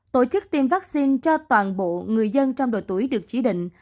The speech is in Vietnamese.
tổ chức tiêm vaccine cho toàn bộ người dân trong độ tuổi được chỉ định